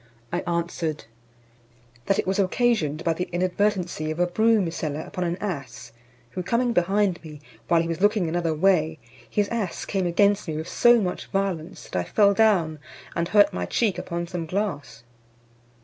"I answered, "That it was occasioned by the inadvertency of a broom seller upon an ass, who coming behind me, while he was looking another way, his ass came against me with so much violence, that I fell down, and hurt my cheek upon some glass."